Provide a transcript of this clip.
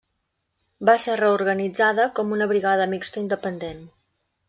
Va ser reorganitzada com una brigada mixta independent.